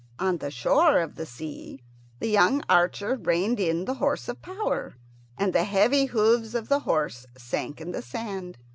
On the shore of the sea the young archer reined in the horse of power, and the heavy hoofs of the horse sank in the sand.